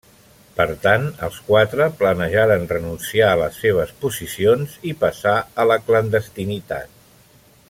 Per tant, els quatre planejaren renunciar a les seves posicions i passar a la clandestinitat.